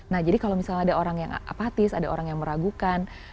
nah jadi kalau misalnya ada orang yang apatis ada orang yang meragukan